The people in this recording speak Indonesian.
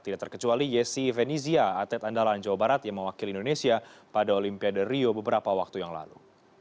tidak terkecuali yesi venizia atlet andalan jawa barat yang mewakili indonesia pada olimpiade rio beberapa waktu yang lalu